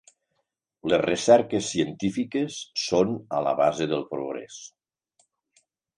Les recerques científiques són a la base del progrés.